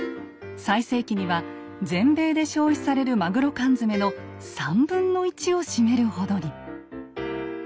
最盛期には全米で消費されるマグロ缶詰の３分の１を占めるほどに。